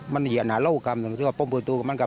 มันอยากมาเล่ากันพอดูตรงนั้นนซะ